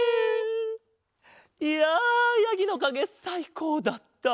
いややぎのかげさいこうだった。